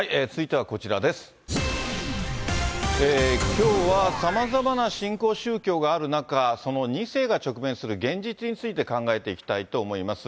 きょうはさまざまな新興宗教がある中、その２世が直面する現実について考えていきたいと思います。